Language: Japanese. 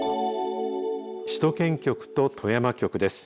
首都圏局と富山局です。